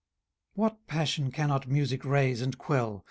What passion cannot music raise and quell?